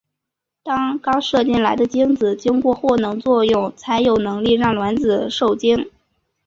当刚射进来的精子经过获能作用才有能力让卵子授精。